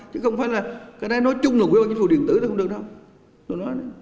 chứ không phải là cái này nói chung là quy hoạch chính phủ điện tử thì không được đâu